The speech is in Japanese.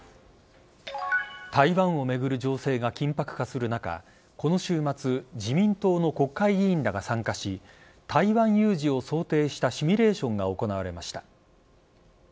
台湾を巡る情勢が緊迫化する中この週末自民党の国会議員らが参加し台湾有事を想定したシミュレーションが行われました。